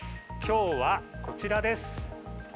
きょうはこちらです。